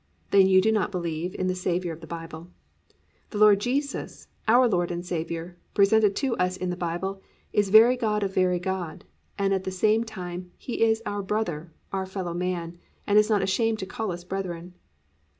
Then you do not believe in the Saviour of the Bible. The Lord Jesus, our Lord and Saviour, presented to us in the Bible, is very God of very God and at the same time He is our brother, our fellowman, and is not ashamed to call us brethren.